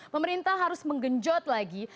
pemerintah harus menggenjot lagi